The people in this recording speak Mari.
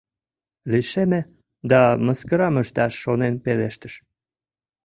Лишеме да мыскарам ышташ шонен пелештыш: